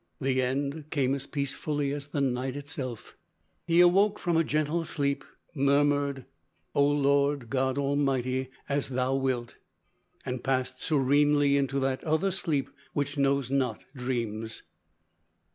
The end came as peacefully as the night itself. He awoke from a gentle sleep, murmured, "O Lord, God Almighty, as Thou wilt!" and passed serenely into that other sleep, which knows not dreams.